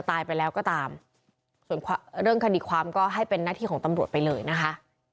ตายไปแล้วก็ตามส่วนเรื่องคดีความก็ให้เป็นหน้าที่ของตำรวจไปเลยนะคะ